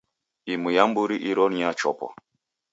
Imu ya mburi iro ni ya chopwa.